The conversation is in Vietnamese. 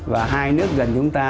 và hai nước gần chúng ta